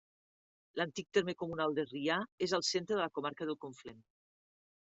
L'antic terme comunal de Rià és al centre de la comarca del Conflent.